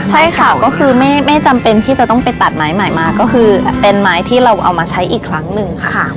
ใช่ค่ะก็คือไม่จำเป็นที่จะต้องไปตัดไม้ใหม่มาก็คือเป็นไม้ที่เราเอามาใช้อีกครั้งหนึ่งค่ะ